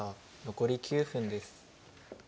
残り９分です。